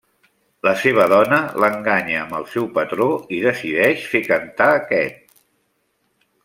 La seva dona l'enganya amb el seu patró, i decideix fer cantar aquest.